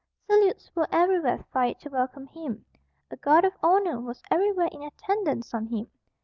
Salutes were everywhere fired to welcome him. A guard of honour was everywhere in attendance on him.